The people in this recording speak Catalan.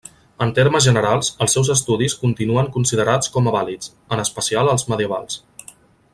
En termes generals els seus estudis continuen considerats com a vàlids, en especial els medievals.